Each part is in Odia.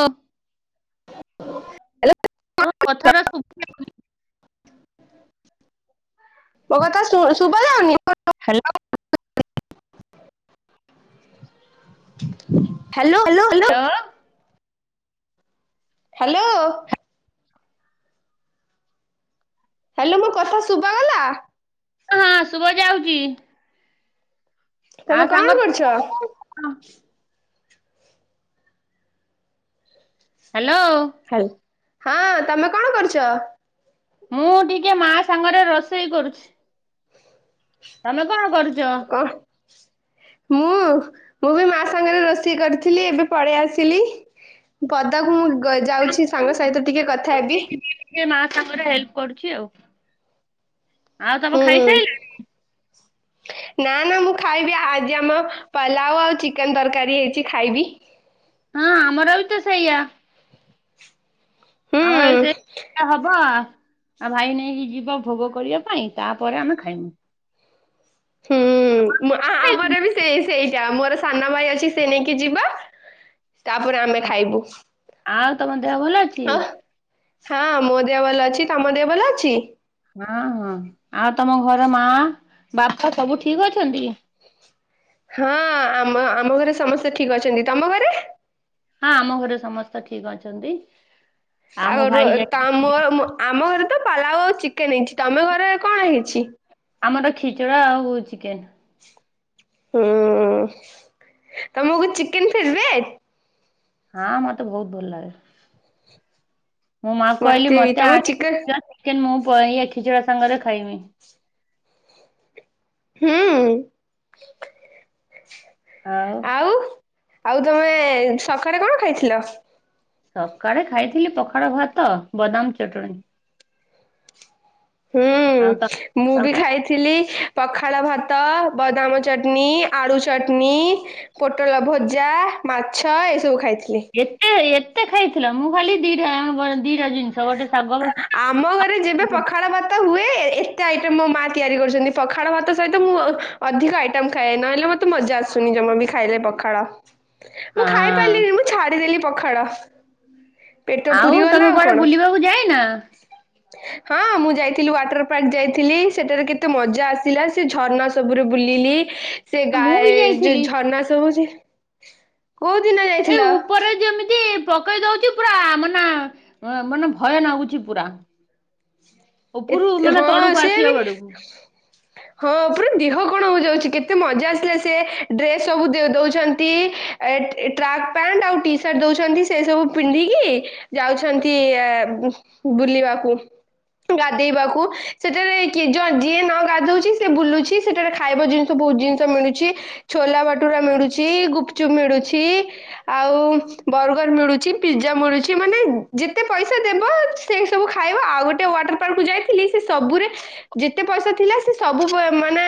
ତ ହ୍ୟାଲୋ କଥାଟା ଶୁଭୁ ମୋ କଥା ଶୁଣା ସୁଭା ଯାଉନି। Hello [unintelligible] hello hello hello. Hello hello. Hello ମୋ କଥା ଶୁବାଗଲା। ହଁ ଶୁବାଯାଉଚି। ତମେ କଣ କରୁଚ? ହାଲୋ। ହାଲୋ ହଁ ତମେ କଣ କରୁଚ? ମୁଁ ଟିକେ ମା ସାଙ୍ଗରେ ରୋଷେଇ କରୁଚି। ତମେ କଣ କରୁଚ? କଣ ମୁଁ ମୁଁ ବି ମା ସାଙ୍ଗରେ ରୋଷେଇ କରୁଥିଲି ଏବେ ପଳେଇ ଆସିଲି। ପଦାକୁ ମୁଁ ଯାଉଚି ସାଙ୍ଗ ସହିତ ଟିକେ କଥା ହେବି। ଟିକେ ମା ସାଙ୍ଗରେ ହେଲ୍ପ କରୁଚି ଆଉ ତମେ ହୁଁ ଖାଇସାରିଲଣି? [inaudible] ନା ନା ମୁଁ ଖାଇବି ଆଜି ଆମ ପଲାଉ ଆଉ ଚିକେନ ତରକାରୀ ହେଇଚି ଖାଇବି। ହଁ ଆମର ବି ତ ସେଇଆ। ହୁଁ ଆମର ଏ [unintelligible] ଆଉ ଭାଇ ନେଇକି ଯିବ ଭୋଗ କରିବା ପାଇଁ ତାପରେ ଆମେ ଖାଇମୁଁ। ହୁଁ ଆମର ବି ସେ ସେଇଟା ମୋର ସାନଭାଇ ଅଛି ସେ ନେଇକି ଯିବ ତାପରେ ଆମେ ଖାଇବୁ। ଆଉ ତମ ଦେହ ଭଲ ଅଛି ହଁ ମୋ ଦେହ ଭଲ ଅଛି ତମ ଦେହ ଭଲ ଅଛି? ହଁ ହଁ ଆଉ ତମ ଘର ମା ବାପା ସବୁ ଠିକ ଅଛନ୍ତି? ହଁ ଆମ ଆମ ଘରେ ସମସ୍ତେ ଠିକ ଅଛନ୍ତି ତମ ଘରେ? ହଁ ଆମ ଘରେ ସମସ୍ତେ ଠିକ ଅଛନ୍ତି। [unintelligible] ଆଉ ମୋ ଭାଇ ଯାଇ ଆମ ଘରେ ତ ପଲାଉ ଆଉ ଚିକେନ ହେଇଚି ତମ ଘରେ କଣ ହେଇଚି? ଆମର ଖିଚିଡ଼ା ଆଉ ଚିକେନ। ହୁଁ ତମକୁ ଚିକେନ ଫେବରେଟ୍? ହଁ ମତେ ବୋହୁତ ଭଲଲାଗେ ମୋ ମାକୁ କହିଲି ବି ମତେ ତମ ଚିକେନ ଆଣିକି [unintelligible] ଖିଚିଡା ସାଙ୍ଗରେ ଖାଇମିଁ। ହୁଁ ଆଉ ଆଉ ତମେ ସକାଳେ କଣ ଖାଇଥିଲ? ସକାଳେ ଖାଇଥିଲି ପଖାଳ ଭାତ ବଦାମ ଚଟଣୀ। ହୁଁ ଆଉ ତ ମୁଁ ବି ତମେ ଖାଇଥିଲି। ପଖାଳ ଭାତ ବଦାମ ଚଟନି ଆଳୁ ଚଟନି। ପୋଟଳ ଭଜା ମାଛ ଏ ସବୁ ଖାଇଥିଲି। ଏତେ ଏତେ ଖାଇଥିଲ ମୁଁ ଖାଲି ଦିଇଟା ଆମ ଘରେ ଯେବେ ପଖାଳ ଭାତ ହୁଏ ଏତେ ଆଇଟମ ମୋ ମା ତିଆରି କରିଚନ୍ତି ପଖାଳ ଭାତ ସହିତ ମୁଁ ଆଉ ଅଧିକ ଆଇଟମ୍ ଖାଏ ନହେଲେ ମୋତେ ମଜା ଆସୁନି ଜମା ବି ଖାଇଲେ ପଖାଳ। ମୁଁ ଖାଇ ହଁ ପାରିଲିନି ମୁଁ ଛାଡିଦେଲି ପଖାଳ ପେଟ ପୁରି ଗଲା ତମେ ଆଉ କୁଆଡେ କଣ। ବୁଲିବାକୁ ଯାଇନା [inaudible] ହଁ ମୁଁ ଯାଇଥିଲି ୱାଟରପାର୍କ ଯାଇଥିଲି ସେଠାରେ କେତେ ମଜା ଆସିଲା ସେ ଝରଣା ସବୁରେ ବୁଲିଲି। ସେ ମୁଁ ଗାଏ ବି ଯୋଉ ଯାଇଥିଲି। ଝରନା ସୁଭୁଚି କୋଉଦିନ ଯା ଏଇ ଉପରେ ଯେମିତି ପକେଇ ଦୋଉଚି ପୁରା ମାନେ ମାନେ ଭୟ ନାଗୁଚି ପୁରା। ଉପରୁ ଏତ ମାନେ ହଁ ତଳକୁ ସେ ଆସିବା ବି [unintelligible] ହଁ ପୁରା ଦେହ କଣ ହୋଉ ଯାଉଚି କେତେ ମଜା ଆସିଲା ସେ ଡ୍ରେସ ସବୁ ଦେଉଚନ୍ତି ଏ ଟ୍ରାକ୍ ପ୍ୟାଣ୍ଟ ଆଉ ଟି ସାର୍ଟ ଦେଉଚନ୍ତି ସେ ସବୁ ପିନ୍ଧିକି ଯାଉଛନ୍ତି ଏ ବୁଲିବାକୁ। ଗାଧେଇବାକୁ ସେଠାରେ କିଏ ଯିଏ ନ ଗାଧଉଚି ସିଏ ବୁଲୁଛି ସେଠାରେ ଖାଇବ ଜିନି ବହୁତ ଜିନିଷ ମିଳୁଛି ଛୋଲା ଭଟୁରା ମିଳୁଛି ଗୁପଚୁପ ମିଳୁଛି। ଆଉ ବର୍ଗର ମିଳୁଛି ପିଜ୍ଜା ମିଳୁଛି। ମାନେ ଯେତେ ପଇସା ଦେବ ସେ ସବୁ ଖାଇବ। ଆଉ ଗୋଟେ ୱାଟର ପାର୍କକୁୁ ଯାଇଥିଲି ସେ ସବୁରେ ଯେତେ ପଇସା ଥିଲା ସେ ସବୁ ପ ମାନେ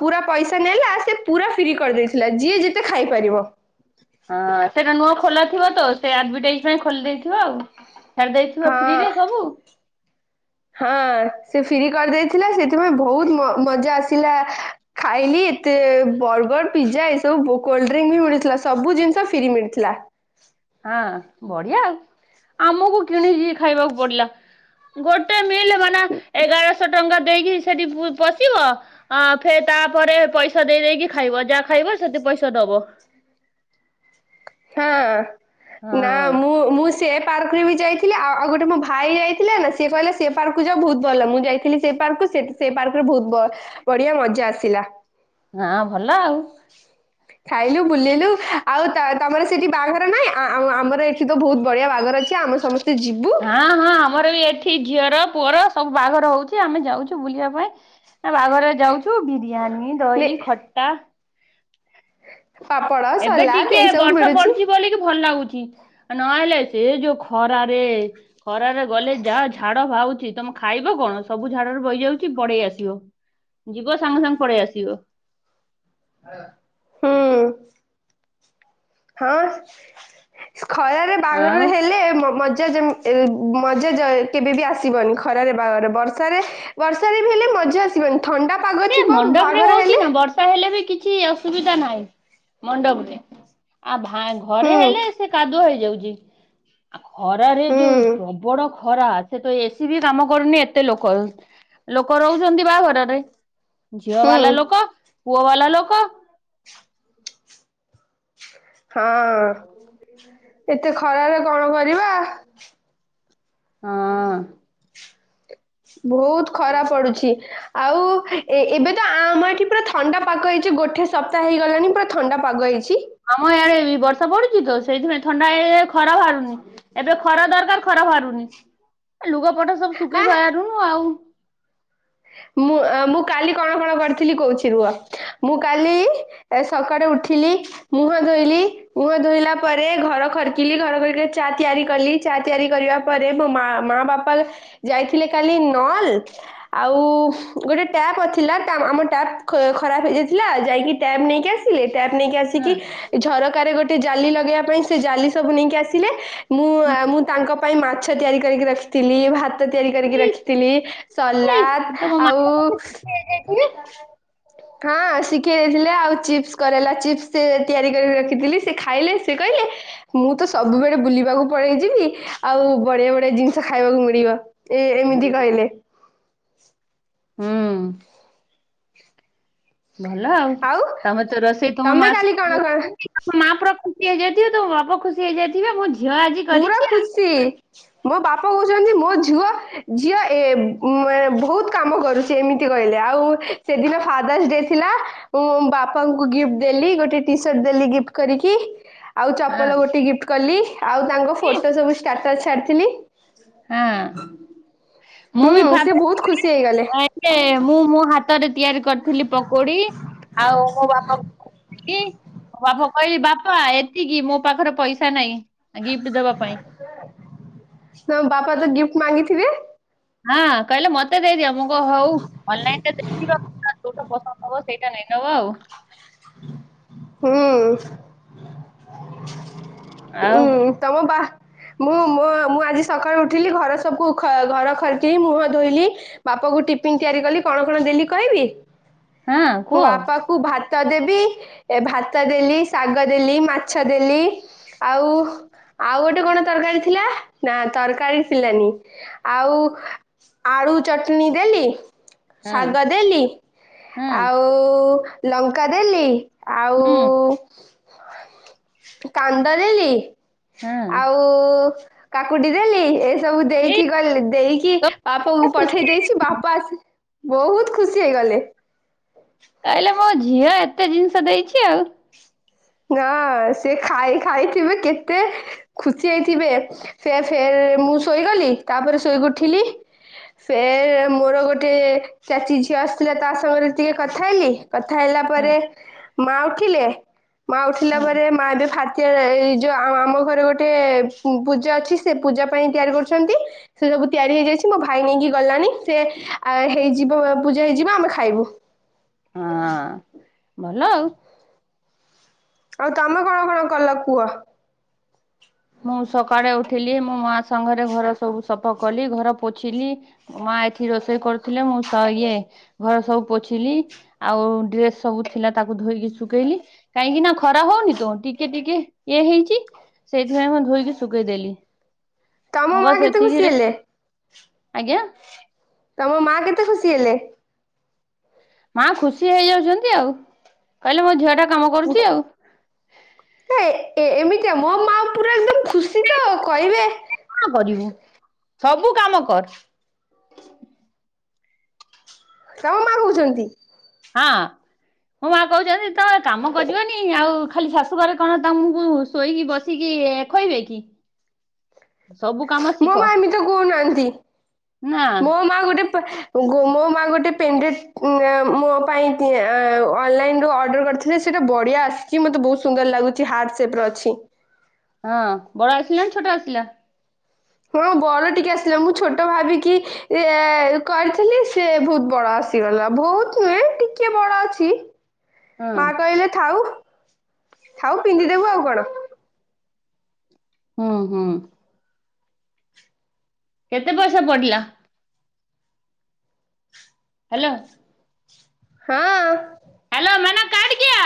ପୁରା ପଇସା ନେଲା ସେ ପୁରା ଫ୍ରି କରିଦେଇଥିଲା ଯିଏ ଯେତେ ଖାଇପାରିବ। ହଁ ସେଟା ନୂଆ ଖୋଲା ଥିବ ତ ସେ ଆଡଭର୍ଟାଇଜ ପାଇଁ ଖୋଲି ଦେଇଥିବ ଆଉ। ଛାଡି ଦେଇଥିବ ହଁ ଫ୍ରିରେ ସବୁ ହଁ ସେ ଫ୍ରି କରିଦେଇଥିଲା ସେଥିପାଇଁ ବହୁତ ମ ମଜା ଆସିଲା ଖାଇଲି ଏତେ ବର୍ଗର ପିଜ୍ଜା ଏ ସବୁ ବ କୋଲ୍ଡ୍ରିଙ୍କ ବି ମିଳୁଥିଲା ସବୁ ଜିନିଷ ଫ୍ରି ମିଳିଥିଲା। ହଁ ବଢିଆ ଆଉ ଆମକୁ କିଣିକି ଖାଇବାକୁ ପଡିଲା। ଗୋଟେ ମିଲ୍ ମାନେ ଏଗାରଶହ ଟଙ୍କା ଦେଇକି ସେଠି ପଶିବ ଅଁ ଫେର ତାପରେ ପଇସା ଦେଇ ଦେଇ ଦେଇେକି ଖାଇବ ଯାହା ଖାଇବ ସେଠି ପଇସା ଦବ। ହଁ ନା ହଁ ମୁଁ ମୁଁ ସେ ପାର୍କରେ ବି ଯାଇଥିଲେ ଆଉ ଆଉ ଗୋଟେ ପାର୍କରେ ବି ଯାଇଥିଲି ଆ ଆଉ ଗୋଟେ ମୋ ଭାଇ ଯାଇଥିଲେ ନା ସିଏ କହିଲେ ସେ ପାର୍କକୁ ଯାଅ ବହୁତ ଭଲ ମୁଁ ଯାଇଥିଲି ସେ ପାର୍କକୁ। ସେ ସେ ପାର୍କରେ ବହୁତ ବ ବଢିଆ ମଜା ଆସିଲା। ହଁ ଭଲ ଆଉ। ଖାଇଲୁ ବୁଲିଲୁ ଆଉ ତ ତମର ସେଠି ବାହାଘର ନାଇଁ ଆଁ ଆଁ ଆମର ଏଠି ତ ବହୁତ ବଢିଆ ବାଘର ଅଛି। ଆମ ସମସ୍ତେ ଯିବୁ ହଁ ହଁ ଆମର ବି ଏଠି ଝିଅର ପୁଅର ସବୁ ବାହାଘର ହଉଛି ଆମେ ଯାଉଛୁ ବୁଲିବା ପାଇଁ। ଏ ବାହାଘରେ ଯାଉଛୁ ବିରିୟାନୀ, ନେ ଦହି, ଖଟା ପାପଡ଼ ଏବେ ସଲାଦ ଟିକେ ଏଇ ସବୁ ବର୍ଷା ମିଳୁଛି ପଡୁଛି ବୋଲିକି ଭଲ ଲାଗୁଛି। ଆଉ ନହଲେ ସେଇ ଯୋଉ ଖରାରେ ଖରାରେ ଗଲେ ଯାହା ଝାଡ ବାହାଉଚି ତମେ ଖାଇବ କଣ ସବୁ ଝାଡରେ ବହିଯାଉଚି ପଡେଇ ଆସିବ। ଯିବ ସାଙ୍ଗେ ସାଙ୍ଗେ ପଡେଇ ଆସିବ। ହୁଁ। ହଁ ଖରାରେ ଆଉ ବାହାଘରରେ ହେଲେ ମ--ମଜା ଯେମି ଏ ମଜା ଯା କେବେବି ଆସିବନି ଖରାରେ ବାହାଘର ବର୍ଷାରେ ବର୍ଷାରେ ବି ହେଲେ ମଜା ଆସି ବନି ଥଣ୍ଡା ପାଗ ଥିବ ବାହାଘର ହେଲେ ରେ ହେଲେ ବି କିଛି ଅସୁବିଧା ନାହିଁ ମଣ୍ଡପରେ ଆଉ ଭା ଘରେ ହୁଁ ହେଲେ ସେ କାଦୁଅ ହେଇଯାଉଚି ଖରାରେ ଯୋଉ ହୁଁ ପ୍ରବଡ ଖରା ସେ ତ ଏସି ବି କାମ କରୁନି ଏତେ ଲୋକ ଲୋକ ରହୁଚନ୍ତି ବାହାଘରରେ। ଝିଅ ହୁଁ ବାଲା ଲୋକ ପୁଅ ବାଲା ଲୋକ ହଁ ଏତେ ଖରାରେ କଣ କରିବା। ହଁ। ବହୁତ ଖରା ପଡୁଛି ଆଉ ଏ ଏବେ ତ ଆ ଆମ ଏଠି ପୁରା ଥଣ୍ଡା ପାଗ ହେଇଚି ଗୋଟେ ସପ୍ତାହ ହେଇଗଲାଣି ପୁରା ଥଣ୍ଡା ପାଗ ହେଇଚି। ଆମ ଇଆଡେ ବର୍ଷା ପଡୁଛି ତ ସେଇଥିପାଇଁ ଥଣ୍ଡା ହେଇ ଖରା ବାହାରୁନି। ଏବେ ଖରା ଦରକାର ଖରା ବାହାରୁନି ଏ ଲୁଗା ପଟା ସବୁ ଶୁଖେଇ ହାଁ ପାରୁନୁ ଆଉ। ମୁଁ ମୁଁ କାଲି କଣ କଣ କରିଥିଲି କହୁଛି ରୁହ ମୁଁ କାଲି ଏ ସକାଳେୁ ଉଠିଲି ମୁହଁ ଧୋଇଲି ମୁହଁ ଧୋଇଲା ପରେ ଘର ଖରକିଲି ଘର ଖରିକି ଚା ତିଆରି କଲି। ଚା ତିଆରି କରିବା ପରେ ମୋ ମା ମା ବାପା ଯାଇଥିଲେ କାଲି ନଲ ଆଉ ଗୋଟେ ଟ୍ୟାପ ଥିଲା ତା ଆମ ଟ୍ୟାପ୍ ଖ ଖରାପ ହେଇଯାଇଥିଲା ଯାଇକି ଟ୍ୟାପ୍ ନେଇକି ଆସି ଲେ ଟ୍ୟାପ ନେଇକି ଆସିକି ହଁ ଝରକାରେ ଗୋଟେ ଜାଲି ଲଗେଇବା ପାଇଁ ସେ ଜାଲି ସବୁ ନେଇକି ଆସିଲେ। ମୁଁ ହଁ ମୁଁ ତାଙ୍କ ପାଇଁ ମାଛ ତିଆରି କରିକି ରଖିଥିଲି ଭାତ ତିଆରି କରିକି ଇସ୍ ରଖିଥିଲି। ସା ଇସ୍ ଲାଦ ତମ ମା ଆଉ ହୁଁ ହଁ ଶିଖେଇ ଦେଇଥିଲେ ଆଉ ଚିପ୍ସ କରେଲା ଚିପ୍ସ ସେ ତିଆରି କରିକି ରଖିଥିଲି ସେ ଖାଇଲେ। ସେ କହିଲେ ମୁଁ ତ ସବୁବେଳେ ବୁଲିବାକୁ ପଳେଇଯିବି ଆଉ ବଢିଆ ବଢିଆ ଜିନିଷ ଖାଇବାକୁ ମିଳିବ। ଏ ଏମିତି କହିଲେ। ହୁଁ। ଭଲ ଆଉ ତମେ ତ ରୋଷେଇ ତମ ମା ତମେ କାଲି କଣ କଣ ସିଖେଚନ୍ତି। ତମ ମା ପୁରା ଖୁସି ହେଇଯାଇଥିବେ। ତମ ବାପ ଖୁସି ହେଇଯାଇଥିବେ ମୁ ପୁରା ଖୁସି ମୋ ବାପା କହୁଛନ୍ତି ମୋ ଝିଅ ଝିଅ ଏ ବହୁତ କାମ କରୁଛି। ଏମିତି କହିଲେ ଆଉ ସେଦିନ ଫାଦର୍ସ ଡେ ଥିଲା ମୁଁ ବାପାଙ୍କୁ ଗିଫ୍ଟ ଦେଲି ଗୋଟେ ଟି ସାର୍ଟ ଦେଲି ଗିପ୍ଟ କରିକି। ଆଉ ଚପଲ ଗୋଟେ ଗିଫ୍ଟ କଲି। ଆଉ ତାଙ୍କ ହଁ ଏ ଫୋଟୋ ସବୁ ଷ୍ଟାଟସ ଛାଡିଥିଲି। ହଁ ମୁଁ ହୁଁ ବି ଫ ସେ ମୁଁ ମୋ ହାତ ବହୁତ ଖୁସି ହେଇଗଲେ। [unintelligible] ହାତରେ ତିଆରି କରିଥିଲି ପକୋଡି ଆଉ ମୋ ବାପା ବାପା କହିଲି ବାପା ଏତିକି ମୋ ପାଖରେ ପଇସା ନାହିଁ। ଆ ଗିଫ୍ଟ ଦବା ପାଇଁ। ନା ବାପା ତ ଗିଫ୍ଟ ମାଗିଥିବେ? ହଁ କହିଲେ ମତେ ଦେଇଦିଅ ମୁ କ ହଉ ଅନଲାଇନ [unintelligible] ରେୋଉଟ କଣ ହବ ସେଇଟା ନେଇ ନବ ଆଉ। ହୁଁ ଆଉ ହୁଁ ତମ ବା ମୁଁ ମୋ ମୁଁ ଆଜି ସକାଳୁ ଉଠିଲି ଘର ସବୁ ଘର ଖରକି ମୁହଁ ଧୋଇଲି। ବାପା କୁ ଟିଫିନ ତିଆରି କଲି କଣ କଣ ଦେଲି କହିବି। ହଁ ମୁଁ କୁହ ବାପା କୁ ଭା ଭାତ ଦେବି। ଏ ଭାତ ଦେଲି, ଶାଗ ଦେଲି, ମାଛ ଦେଲି ଆଉ ଆଉ ଗୋଟେ କଣ ତରକାରୀ ଥିଲା। ନା ତରକାରୀ ଥିଲାନି। ଆଉ ଆଳୁ ଚଟନି ଦେଲି। ହଁ ଶାଗ ଦେଲି, ହଁ ଆଉ ଲଙ୍କା ଦେଲି। ଆଉ ହୁଁ କାନ୍ଦ ଦେଲି। ହୁଁ ଆଉ କାକୁଡି ଦେଲି ଏସବୁ ଏଇ ଦେଇକି ଗଲେ ଦେଇକି ତୋ ବାପାକୁ ପଠେଇ ଖୁସି ଦେଇଛି, ବାପା ଆସି ବହୁତ ଖୁସି ହେଇଗଲେ। କହିଲେ ମୋ ଝିଅ ଏତେ ଜିନିଷ ଦେଇଛି ଆଉ। ନା ସିଏ ଖାଇ ଖାଇକି କେତେ ଖୁସି ହେଇଥିବେ। ସେ ଫେର ମୁଁ ଶୋଇଗଲି। ତାପରେ ଶୋଇକି ଉଠିଲି। ସେ ମୋର ଗୋଟେ ଚାଚୀ ଝିଅ ଆସିଥିଲା। ତା ସାଙ୍ଗରେ ଟିକେ କଥା ହେଲି। କଥା ହେଲା ହଁ ପରେ, ମା ଉଠିଲେ ମା ଉଠିଲା ହଁ ପରେ ମା ଏବେ ଭା ଏଇ ଯୋଉ ଆମ ଘରେ ଗୋଟେ ପୂଜା ଅଛି। ସେ ପୂଜା ପାଇଁ ତିଆରି କରୁଛନ୍ତି। ସେ ସବୁ ତିଆରି ହେଇଯାଇଛି। ମୋ ଭାଇ ନେଇକି ଗଲଣିି। ସେ ହେଇଯିବ ପୂଜା ହେଇଯିବ ଆମେ ଖାଇବୁ। ହଁ ଭଲ ଆଉ। ଆଉ ତମେ କଣ କଣ କଲ କୁହ? ମୁଁ ସକାଳେ ଉଠିଲି, ମୋ ମା ସାଙ୍ଗରେ ଘର ସବୁ ସଫା କଲି, ଘର ପୋଛିଲି ମା ଏଠି ରୋଷେଇ କରୁଥିଲେ, ମୁଁ ସ ଇଏ ଘରେ ସବୁ ପୋଛିଲି। ଆଉ ଡ୍ରେସ୍ ସବୁ ଥିଲା ତାକୁ ଧୋଇକି ଶୁଖେଇଲି। କାଇଁକି ନା ଖରା ହଉନି ତ, ଟିକେ ଟିକେ ଇଏ ହେଇଛି। ସେଇଥିପାଇଁ ମୁଁ ଧୋଇକି ଶୁଖେଇଦେଲି। ତମ ମୁଁ କ ମା କେତେ ସେତିକିରେ ଖୁସି ହେଲେ? ଆଜ୍ଞା। ତମ ମା କେତେ ଖୁସି ହେଲେ? ମା ଖୁସି ହେଇଯାଉଛନ୍ତି ଆଉ, କହିଲେ ମୋ ଝିଅଟା କାମ କରୁଛି ଆଉ। ଏ ଏମିତିଆ ମୋ ମା ପୁରା ଏକଦମ ଖୁସି ତ, କହିବେ କଣ କରିବୁ, ସବୁ କାମ କର। ତମ ମା ହଉଛନ୍ତି ହଁ। ମୋ ମା କହୁଛନ୍ତି ତମେ କାମ କରିବନି, ଆଉ ଖାଲି ଶାଶୁ ଘରେ କଣ ତମକୁ ଶୋଇକି ବସିକି ଖୋଇବେ କି? ସବୁ କାମ ଶିଖ ମୋ ମା ଏମିତି କହୁନାହାନ୍ତି। ନା ମୋ ମୋ ମା ଗୋଟେ ମୋ ମା ଗୋଟେ, ପେନ୍ଡ୍ରାଇଭ୍ ମୋ ପାଇଁ ଅନ୍‌ଲାଇନରୁ ଅର୍ଡର କରି ଥିଲ, ସେଇଟା ବଢିଆ ଆସିଛି ମତେ ବହୁତ ସୁନ୍ଦର ଲାଗୁଛି ହାର୍ଟ ସେପ୍ ର ଅଛି। ହଁ ବଡ ଆସିଲା ନା ଛୋଟ ଆସିଲା? ହଁ ବଡ ଟିକେ ଆସିଲା, ମୁଁ ଛୋଟ ଭାବିକି ଏ କହିଥିଲି ସେ ବହୁତ ବଡ ଆସି ଗଲା, ବହୁତ ନୁହେଁ ଟିକେ ବଡ ଅଛି। ହଁ ମା କହିଲେ ଥାଉ, ଥାଉ ପିନ୍ଧିଦେବୁ ଆଉ କଣ? ହୁଁ- ହୁଁ। କେତେ ପଇସା ପଡିଲା? ହ୍ୟାଲୋ। ହଁ। ହ୍ୟାଲୋ ମ୍ୟାଡମ୍ କାଟ୍ କିଆ।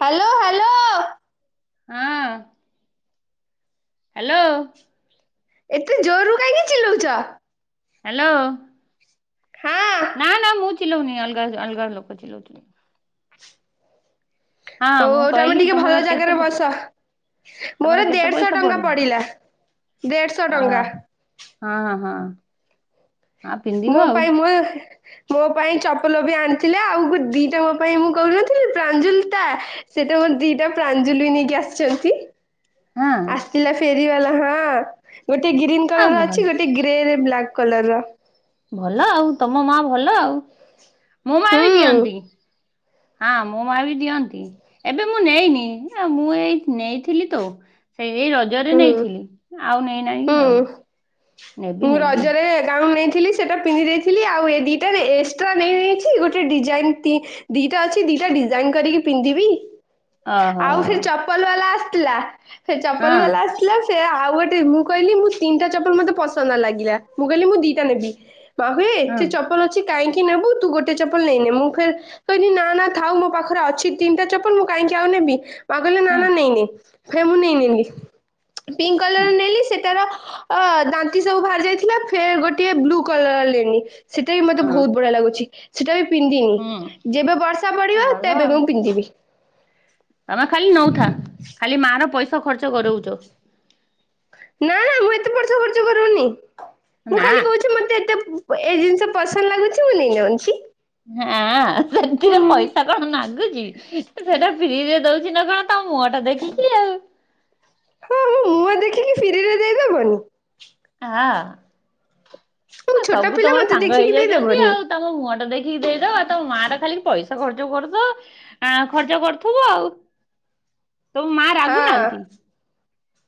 Hello hello. ହଁ। ହ୍ୟାଲୋ। ଏତେ ଜୋରରୁ କାହିଁକି ଚିଲଉଛ? ହ୍ୟାଲୋ। ହଁ। ନାଁ - ନାଁ ମୁଁ ଚିଲଉନି, ଅଲଗା ଅଲଗା ଲୋକ ଚିଲଉଥିଲେ। ହଁ ହଉ ମୁଁ ହଉ ତମେ କହିଲି ଟିକେ ତମର ଭଲ କେତେ ଜାଗାରେ ବସ। ତମର ମୋର କେତେ ଦେଢଶହ ପଇସା ଟଙ୍କା ପଡିଲା, ଦେଢଶହ ଅ ଟଙ୍କା। ହଁ- ହଁ। ଆଉ ପିନ୍ଧିବ ମୋ ଆଉ ପାଇଁ [unintelligible] ମୋ ପାଇଁ ଚପଲ ବି ଆଣିଥିଲେ। ଆଉୋ ଦିଟା ମୋ ପାଇଁ ମୁଁ କହୁନଥିଲି ପ୍ରାଞ୍ଜୁ ଲିତା ସେଇଟା ମୋର ଦିଟା ପ୍ରାଞ୍ଜୁଲି ନେଇକି ଆସିଛନ୍ତି। ହଁ ଆସିଥିଲା ଫେରିବାଲା ହଁ ଗୋଟେ ଗ୍ରୀନ୍ ଆଉ କଲର୍ ଭଲ ଅଛି, ଗୋଟେ ଗ୍ରେରେ ବ୍ଲାକ୍ କଲର୍ ର। ଭଲ ଆଉ, ତମ ମା ଭଲ ଆଉ। ମୋ ମା ବି ହୁଁ ଦିଅନ୍ତି। ହଁ ମୋ ମା ବି ଦିଅନ୍ତି, ଏବେ ମୁଁ ନେଇନି ମୁଁ ଏଇ ନେଇଥିଲି ତ, ସେଇ ଏଇ ରଜରେ ହୁଁ ନେଇଥିଲି। ଆଉ ନେଇନାହିଁ ଆଉ ନେବି ନେବି, ସେ ଗାଉନ ନେଇଥିଲି। ସେଟା ପିନ୍ଧି ଦେଇଥିଲି। ଆଉ ଏ ଦିଟା ଏକ୍ସଟ୍ରା ନେଇଯାଇଛି ଗୋଟେ ଡିଜାଇନ ତି ଦିଟା ଅଛି, ଦିଟା ଡିଜାଇନ କରିକି ପିନ୍ଧିବି। ଓହୋ ଆଉ ସେ ଚପଲ ବାଲା ଆସିଥିଲା। ସେ ଚପଲ ହଁ ବାଲା ଆସିଥିଲା ସେ ଆଉ ଗୋଟେ ମୁଁ କହିଲି ମୁଁ ତିନିଟା ଚପଲ ମତେ ପସନ୍ଦ ଲାଗିଲା, ମୁଁ କହିଲି ମୁଁ ଦିଟା ନେବି। ବା ହୁଇ ହଁ ଏତେ ଚପଲ ଅଛି କାହିଁକି ନେବୁ ତୁ ଗୋଟେ ଚପଲ ନେଇନେ, ମୁଁ କହିଲି କହିଲି ନା ଥାଉ ମୋ ପାଖରେ ଅଛି ତିନିଟା ଚପଲ ମୁଁ କହିଁକି ଆଉ ନେବି। ମା କହିଲେ ହଁ ଅ। ଏ ନେ, ଫେରେ ମୁଁ ନେଇନିନି। ପିଙ୍କ୍ କଲର ନେଲି ସେଟାର ଆ ଦାନ୍ତି ସବୁ ବାହାରି ଯାଇଥିଲା, ଫେରେ ଗୋଟେ ବ୍ଲୁ କଲର ଲେନି। ସେଟା ବି ମତେ ହଁ ବହୁତ ବଢିଆ ଲାଗୁଛି। ସେଟା ବି ପିନ୍ଧିନି, ହୁଁ ଯେବେ ବର୍ଷା ପଡିବ ଭଲ ତେବେ ଆଉ ମୁଁ ପିନ୍ଧିବି। ତମେ ଖାଲି ନଉଥା, ଖାଲି ମା ର ପଇସା ଖର୍ଚ୍ଚ କରଉଛ। ନାଁ ନାଁ ମୁଁ ଏତେ ପାଇସା ଖର୍ଚ କରଉନି। ମୁଁ ନା ଖାଲି କହୁଛି ତୁ ମତେ ଏତେ ଏ ଜିନିଷ ପସନ୍ଦ ଲାଗୁଛି, ମୁଁ ନେଇନଉଛି। ହାଁ ସେଥିରେ ପଇସା କଣ ନାଗୁଛି। ସେଟା ଫ୍ରିରେ ଦଉଛି ନା କଣ ତମ ମୁହଁ ଟା ଦେଖିକି ଆଉ? ହଁ ମୁଁ ମୁହଁ ଦେଖିକି ଫିରିରେ ଦେଇଦବନି? ଆହଁ ମୁଁ ଛୋଟ ସବୁ ପିଲା ତମର ମତେ ସାଙ୍ଗ ଦେଖିକି ହେଇଯାଉଛନ୍ତି ଦେଇଦବନି ଆଉ ତମ ତମ ମୁହଁ ଟା ଦେଖିକି ଦେଇଦବ, ତମ ମା ଟା ଖାଲି ପଇସା ଖର୍ଚ୍ଚ କରୁଛ ହାଁ ଆ ଖର୍ଚ୍ଚ କରୁଥିବୁ ଆଉ। [unintelligible] ତମ ମା ହଁ। ରାଗୁନାହାନ୍ତି?